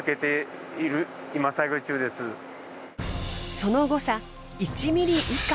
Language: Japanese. その誤差１ｍｍ以下。